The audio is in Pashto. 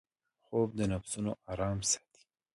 خوب د نفسونـو آرام ساتي